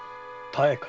妙か？